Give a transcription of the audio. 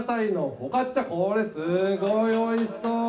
これすごくおいしそう！